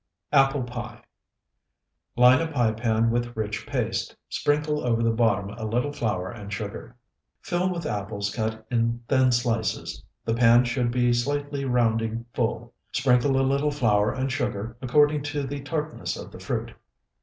APPLE PIE Line a pie pan with rich paste, sprinkle over the bottom a little flour and sugar. Fill with apples cut in thin slices. The pan should be slightly rounding full. Sprinkle a little flour and sugar, according to the tartness of the fruit.